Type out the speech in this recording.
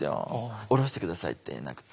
「降ろして下さい」って言えなくて。